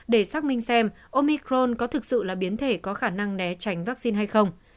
để xác minh xem omicron có thực sự là biến thể có khả năng né tránh vaccine hay không